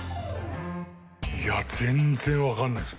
いや全然わかんないです。